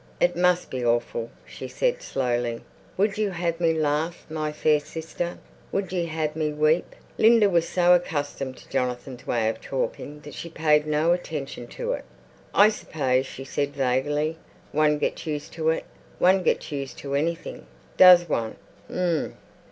"It must be awful," she said slowly. "Would ye have me laugh, my fair sister? Would ye have me weep?" Linda was so accustomed to Jonathan's way of talking that she paid no attention to it. "I suppose," she said vaguely, "one gets used to it. One gets used to anything." "Does one? Hum!"